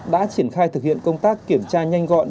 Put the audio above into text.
đã triển khai thực hiện công tác kiểm tra nhanh gọn